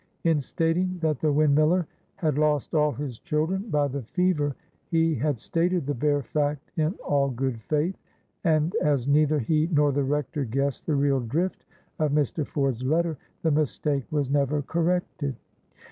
In stating that the windmiller had lost all his children by the fever, he had stated the bare fact in all good faith; and as neither he nor the Rector guessed the real drift of Mr. Ford's letter, the mistake was never corrected.